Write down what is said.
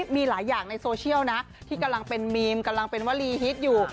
มีหลายอย่างในที่กำลังเป็นอิงค์กำลังเป็นวะฤี่ฮิตอยู่